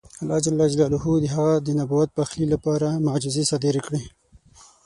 الله جل جلاله د هغه د نبوت د پخلي لپاره معجزې صادرې کړې.